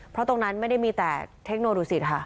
เพราะตรงนั้นไม่ได้มีแต่เทคโนโลศิษฐ์ค่ะ